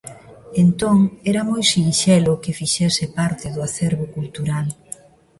Entón era moi sinxelo que fixese parte do acervo cultural.